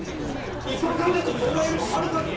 一般患者の相場よりもはるかに！